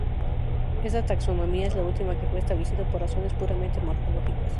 Esta taxonomía es la última que fue establecido por razones puramente morfológicos.